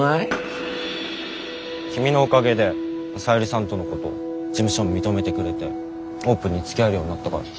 君のおかげでさゆりさんとのこと事務所も認めてくれてオープンにつきあえるようになったから。